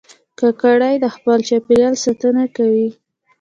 کاکړي د خپل چاپېریال ساتنه کوي.